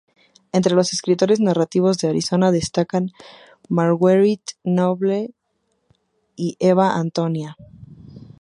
Entre los escritores nativos de Arizona destacan Marguerite Noble y Eva Antonia Wilbur-Cruce.